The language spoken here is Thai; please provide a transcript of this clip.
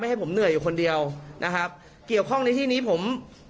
ให้ผมเหนื่อยอยู่คนเดียวนะครับเกี่ยวข้องในที่นี้ผม